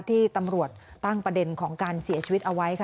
ที่ตำรวจตั้งประเด็นของการเสียชีวิตเอาไว้ค่ะ